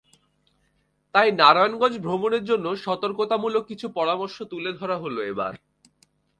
তাই নারায়ণগঞ্জ ভ্রমণের জন্য সতর্কতামূলক কিছু পরামর্শ তুলে ধরা হলো এবার।